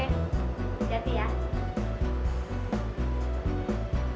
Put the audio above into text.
mami saya udah datang